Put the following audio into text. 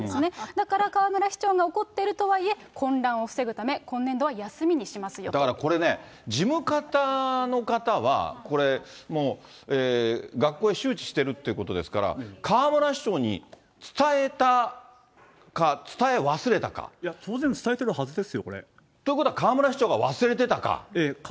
だから河村市長が怒っているとはいえ、混乱を防ぐため、だからこれね、事務方の方は、もう学校へ周知してるっていうことですから、いや、当然、伝えてるはずですよ、ということは、河村市長が忘れてたか。